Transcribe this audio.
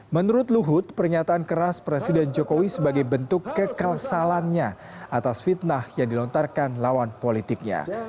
menurut luhut pernyataan keras presiden jokowi sebagai bentuk kekelsalannya atas fitnah yang dilontarkan lawan politiknya